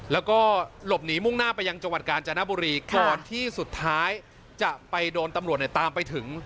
แล้วก็หลบหนีมุ่งหน้าไปยังจังหวัดกาญจนบุรีก่อนที่สุดท้ายจะไปโดนตำรวจเนี่ยตามไปถึง